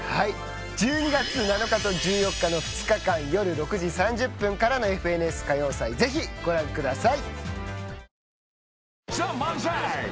１２月７日と１４日の２日間夜６時３０分からの『ＦＮＳ歌謡祭』ぜひご覧ください。